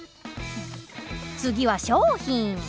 次は商品。